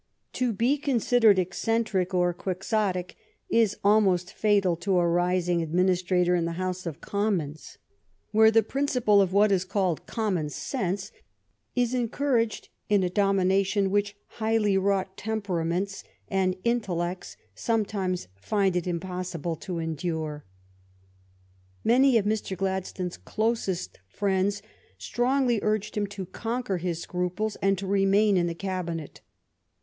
To be considered eccentric or quixotic is almost fatal to a rising adminis trator in the House of Commons, where the prin ciple of what is called common sense is encouraged in a domination which highly wrought tempera ments and intellects sometimes find it impossible to endure. Many of Mr. Gladstone's closest friends strongly urged him to conquer his scruples and to remain in the Cabinet.